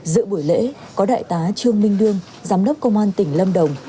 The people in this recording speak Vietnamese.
giữa buổi lễ có đại tá trương minh đương giám đốc công an tỉnh lâm đồng